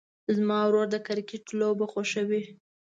زما ورور د کرکټ لوبه خوښوي.